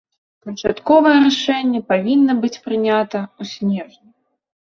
Канчатковае рашэнне павінна быць прынята ў снежні.